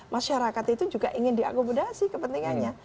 masyarakat itu juga ingin diakomodasi kepentingannya